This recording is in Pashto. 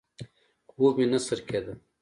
خوب مې نه سر کېده.